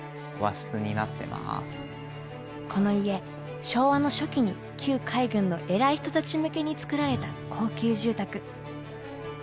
この家昭和の初期に旧海軍の偉い人たち向けに造られた高級住宅。